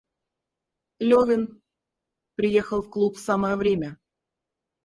Левин приехал в клуб в самое время.